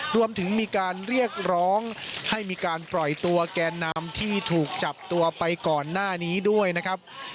รวมถึงมีการเรียกร้องให้มีการปล่อยตัวแกนนำที่ถูกจับตัวไปก่อนหน้านี้ด้วยนะครับ